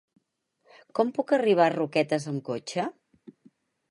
Com puc arribar a Roquetes amb cotxe?